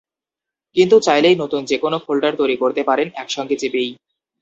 কিন্তু চাইলেই নতুন যেকোনো ফোল্ডার তৈরি করতে পারেন একসঙ্গে চেপেই।